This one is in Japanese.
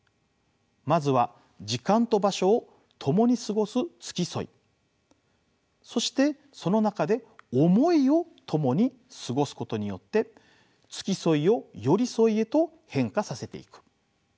まずは時間と場所を共に過ごす付き添いそしてその中で思いを共に過ごすことによって付き添いを寄り添いへと変化させていく。